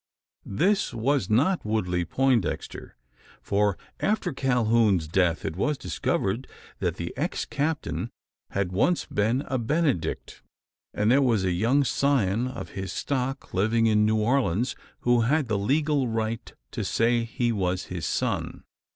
This was not Woodley Poindexter: for after Calhoun's death, it was discovered that the ex captain had once been a Benedict; and there was a young scion of his stock living in New Orleans who had the legal right to say he was his son!